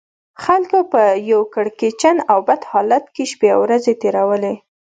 خلکو په یو کړکېچن او بد حالت کې شپې او ورځې تېرولې.